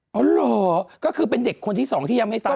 อ๋อเหรอก็คือเป็นเด็กคนที่สองที่ยังไม่ตาย